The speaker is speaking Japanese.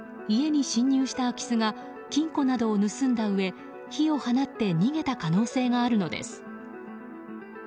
家に侵入した空き巣が金庫などを盗んだうえ火を放って逃げた可能性があるのです。